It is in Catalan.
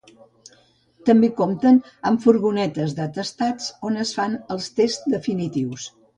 També compten amb les furgonetes d'atestats on es fan els tests definitius.